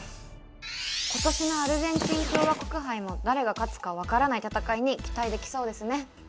今年のアルゼンチン共和国杯も誰が勝つか分からない戦いに期待できそうですね